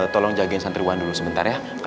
tolong jagain santriwan dulu sebentar ya